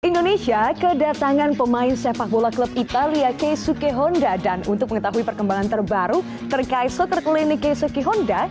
indonesia kedatangan pemain sepak bola klub italia keisuke honda dan untuk mengetahui perkembangan terbaru terkait soccer klinik keizuki honda